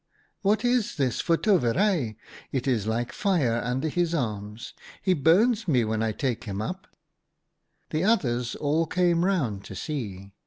' What is this for toverij ! It is like fire under his arms. He burns me when I take him up/ " The others all came round to see.